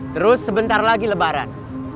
terus sebentar lagi lebaran